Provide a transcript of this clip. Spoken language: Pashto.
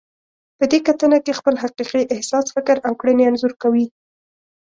په دې کتنه کې خپل حقیقي احساس، فکر او کړنې انځور کوئ.